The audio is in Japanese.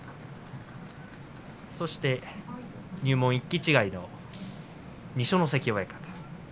そして入門１期違いの二所ノ関親方